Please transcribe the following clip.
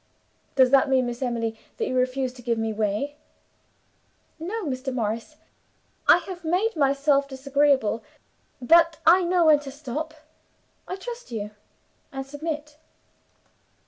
"Does that mean, Miss Emily, that you refuse to give way?" "No, Mr. Morris. I have made myself disagreeable, but I know when to stop. I trust you and submit."